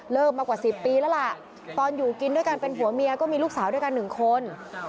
มากว่า๑๐ปีแล้วล่ะตอนอยู่กินด้วยกันเป็นผัวเมียก็มีลูกสาวด้วยกัน๑คน